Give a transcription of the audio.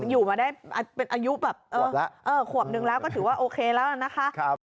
อยู่มาได้เป็นอายุแบบขวบนึงแล้วก็ถือว่าโอเคแล้วนะคะ